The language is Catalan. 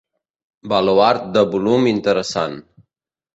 Baluard de volum interessant.